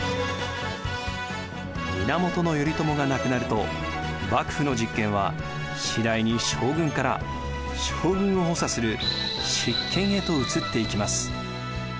源頼朝が亡くなると幕府の実権は次第に将軍から将軍を補佐する執権へと移っていきます。